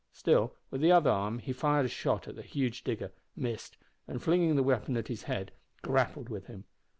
Still, with the other arm he fired a shot at the huge digger, missed, and, flinging the weapon at his head, grappled with him.